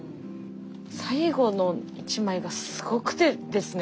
最後の一枚がすごくてですね